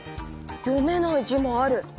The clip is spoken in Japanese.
読めない字もある。